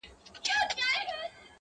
استعماري ارزښتونه غالب